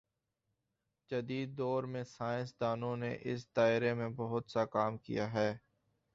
جدیددور میں سائنس دانوں نے اس دائرے میں بہت سا کام کیا ہے